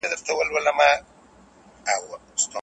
هغه وسايل چي پخوا کارول کيدل اوس نسته.